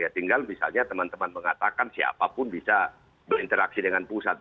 tinggal misalnya teman teman mengatakan siapapun bisa berinteraksi dengan pusat